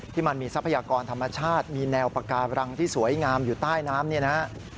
มันมีทรัพยากรธรรมชาติมีแนวปาการังที่สวยงามอยู่ใต้น้ำเนี่ยนะฮะ